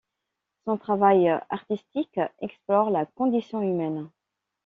Son travail artistique explore la condition humaine.